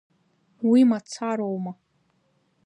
Уи мацароума!